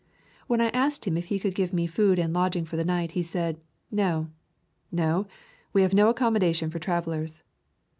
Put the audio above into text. When I asked him if he could give me food and lodging for the night he said, "No, no, we have no accommodations for travelers."